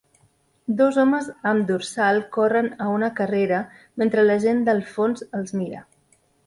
Dos homes amb dorsal corren a una carrera mentre la gent del fons els mira